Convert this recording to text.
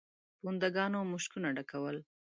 پونده ګانو مشکونه ډکول.